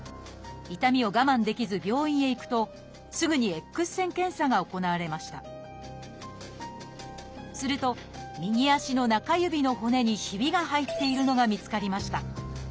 痛みを我慢できず病院へ行くとすぐにＸ線検査が行われましたすると右足の中指の骨にひびが入っているのが見つかりました。